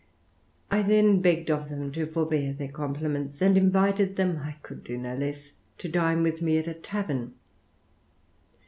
I then begged of them to forbear their compliments, and invited them, I could do no less, to dioc with me at a tavern.